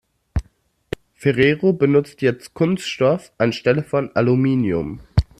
Ferrero benutzt jetzt Kunststoff anstelle von Aluminium.